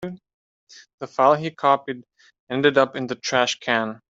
The file he copied ended up in the trash can.